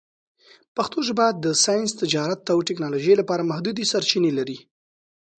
پښتو ژبه د ساینس، تجارت، او ټکنالوژۍ لپاره محدودې سرچینې لري.